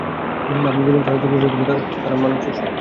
আপনার জীবনকে আরও দুর্বিষহ করে তুলতে তাঁরা, মনের স্পৃহা নষ্ট করে দেবে।